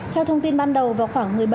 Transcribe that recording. theo thông tin ban đầu vào khoảng